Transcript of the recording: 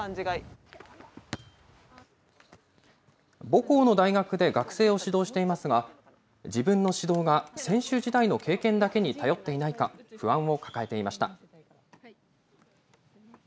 母校の大学で学生を指導していますが、自分の指導が選手時代の経験だけに頼っていないか、不安を抱えていました。